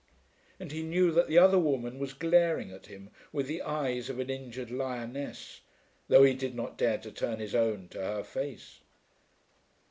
And he knew that the other woman was glaring at him with the eyes of an injured lioness, though he did not dare to turn his own to her face.